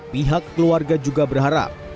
pihak keluarga juga berharap